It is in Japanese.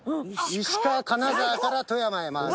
石川金沢から富山へまわる。